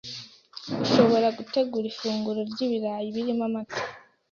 Ushobora gutegura ifunguro ry’ibirayi birimo amata.